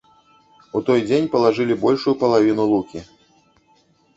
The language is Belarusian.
У той дзень палажылі большую палавіну лукі.